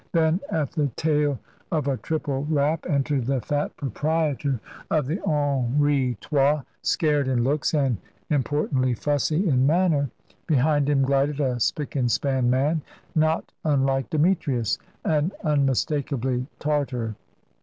Then, at the tail of a triple rap, entered the fat proprietor of the Henri Trois, scared in looks and importantly fussy in manner. Behind him glided a spick and span man, not unlike Demetrius, and unmistakably Tartar.